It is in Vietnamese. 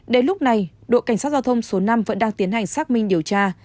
đến lúc này đội cảnh sát giao thông số năm vẫn đang tiến hành xác minh điều tra